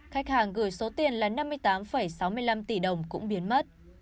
khách hàng gửi số tiền là năm mươi tám sáu mươi năm tỷ đồng cũng biến mất